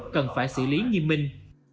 cần phải xử lý nghiêm minh